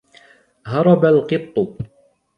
هرب القط.